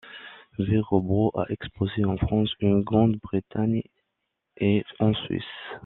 Véra Braun a exposé en France, en Grande-Bretagne et en Suisse.